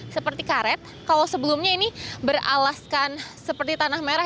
seperti karet kalau sebelumnya ini beralaskan seperti tanah merah